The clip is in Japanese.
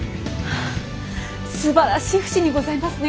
すばらしい普請にございますね！